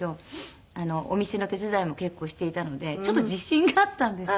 お店の手伝いも結構していたのでちょっと自信があったんですね。